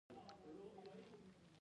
کور ونړید او سړی مړ شو.